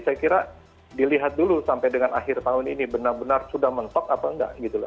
saya kira dilihat dulu sampai dengan akhir tahun ini benar benar sudah menge top atau tidak